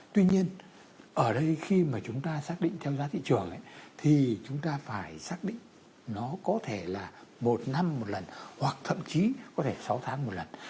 tuy nhiên ở đây khi mà chúng ta xác định theo giá thị trường thì chúng ta phải xác định nó có thể là một năm một lần hoặc thậm chí có thể sáu tháng một lần